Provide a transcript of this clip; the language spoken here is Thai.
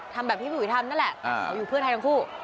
ทำแบบที่พี่อุ๋ยทำนั่นแหละเขาอยู่เพื่อไทยทั้งคู่